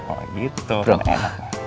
oh gitu kan enak